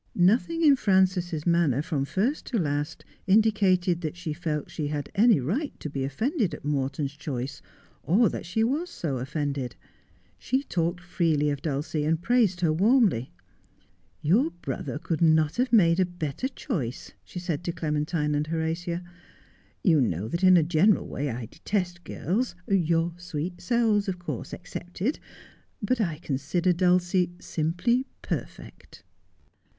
Nothing in Frances's manner from first to last indicated that she felt she had any right to be offended at Morton's choice, or that she was so offended. She talked freely of Dulcie, and praised her warmly. ' Your brother could not have made a better choice,' she said to Clementine and Horatia. ' You know that in a general way I detest girls — your sweet selves, of course, excepted — but I consider Dulcie simply perfect.'